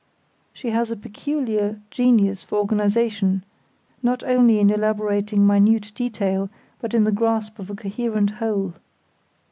She has a peculiar genius for organisation, not only in elaborating minute detail, but in the grasp of a coherent whole.